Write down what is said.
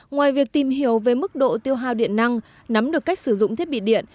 ngoài việc tìm hiểu về mức độ tiêu hào điện năng nắm được cách sử dụng thiết bị điện